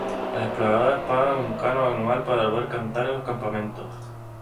las exploradoras pagan un canon anual para poder cantar en los campamentos.